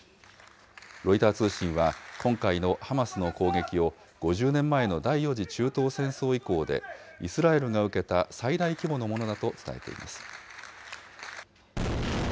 ロイター通信は、今回のハマスの攻撃を、５０年前の第４次中東戦争以降でイスラエルが受けた最大規模のものだと伝えています。